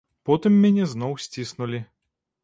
Потым мяне зноў сціснулі.